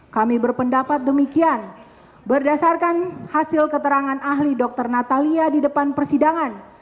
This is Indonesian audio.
kami berpendapat demikian berdasarkan hasil keterangan ahli dokter natalia di depan persidangan